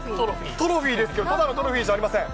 トロフィーですけど、ただのトロフィーじゃありません。